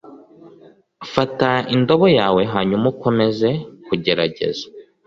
fata indobo yawe hanyuma ukomeze kugerageza